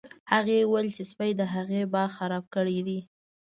هغې وویل چې سپي د هغې باغ خراب کړی دی